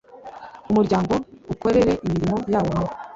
Umuryango ukorere imirimo yawo mu